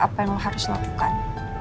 apa yang mau harus lakukan